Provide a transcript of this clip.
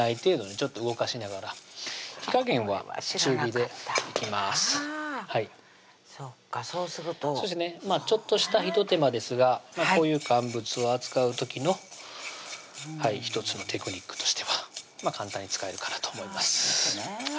そっかそうするとそうですねちょっとした一手間ですがこういう乾物を扱う時の１つのテクニックとしては簡単に使えるかなと思います